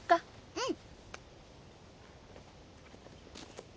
うん。